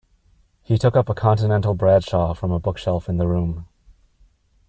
He took up a Continental Bradshaw from a bookshelf in the room.